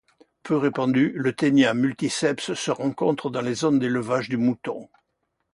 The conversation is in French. Peu répandu, le ténia multiceps se rencontre dans les zones d'élevage du mouton.